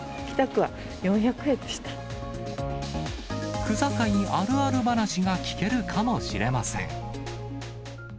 区境あるある話が聞けるかもしれません。